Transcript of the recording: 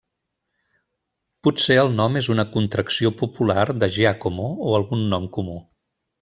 Potser el nom és una contracció popular de Giacomo o algun nom comú.